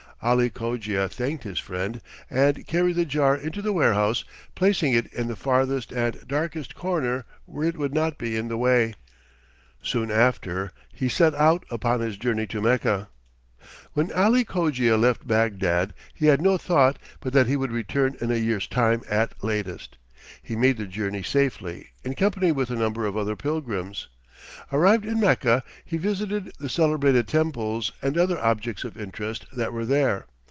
Ali Cogia thanked his friend and carried the jar into the warehouse, placing it in the farthest and darkest corner where it would not be in the way. Soon after he set out upon his journey to Mecca. When Ali Cogia left Bagdad he had no thought but that he would return in a year's time at latest. He made the journey safely, in company with a number of other pilgrims. Arrived in Mecca, he visited the celebrated temples and other objects of interest that were there.